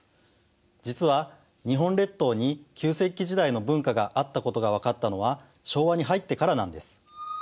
実は日本列島に旧石器時代の文化があったことが分かったのは昭和に入ってからなんです。